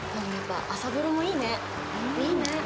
朝風呂もいいね。